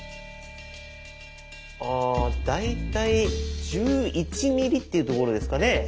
あ大体１１ｍｍっていうところですかね。